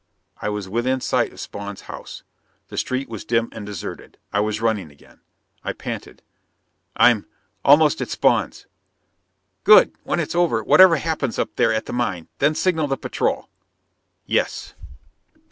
I was within sight of Spawn's house. The street was dim and deserted. I was running again. I panted. "I'm almost at Spawn's!" "Good! When it's over, whatever happens up there at the mine, then signal the patrol." "Yes."